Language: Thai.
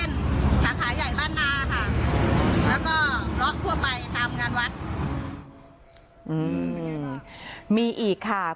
เมื่อที่๔แล้ว